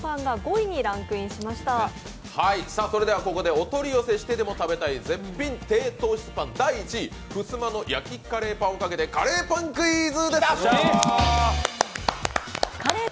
お取り寄せしてでも食べたい絶品低糖質パン第１位、ふすまの焼きカレーパンを懸けてカレーパンクイズ！